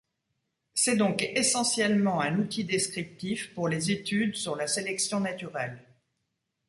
C'est donc essentiellement un outil descriptif pour les études sur la sélection naturelle.